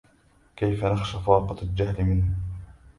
كيف نخشى فاقة الجهال من